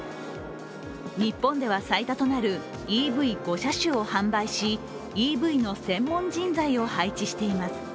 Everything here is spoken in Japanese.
日本では最多となるＥＶ５車種を販売しＥＶの専門人材を配置しています。